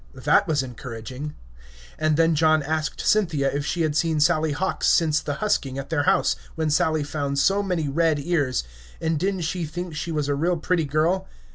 That was encouraging. And then John asked Cynthia if she had seen Sally Hawkes since the husking at their house, when Sally found so many red ears; and didn't she think she was a real pretty girl.